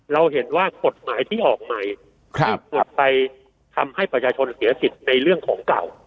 เราเห็นว่ากฎหมายที่ออกใหม่ที่หลุดไปทำให้ประชาชนเสียสิทธิ์ในเรื่องของเก่า